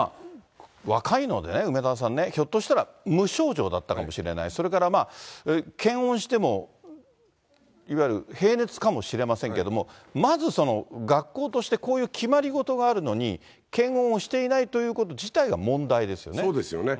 若いのでね、梅沢さん、ひょっとしたら無症状だったかもしれない、それから検温しても、いわゆる平熱かもしれませんけど、まずその学校として、こういう決まりごとがあるのに、検温をしていないということ自体そうですよね。